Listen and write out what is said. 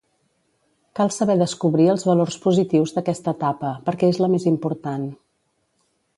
Cal saber descobrir els valors positius d'aquesta etapa, perquè és la més important.